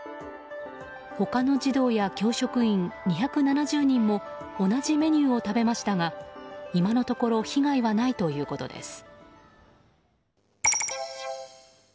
他の児童や教職員２７０人も同じメニューを食べましたが今のところ被害はないということです。